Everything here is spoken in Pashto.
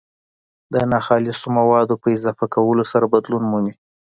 د ناخالصو مادو په اضافه کولو سره بدلون مومي.